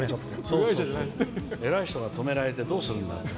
偉い人が止められてどうするんだっていう。